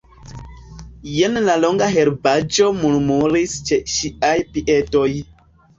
Jen la longa herbaĵo murmuris ĉe ŝiaj piedoj.